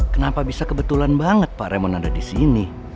kenapa bisa kebetulan banget pak remon ada di sini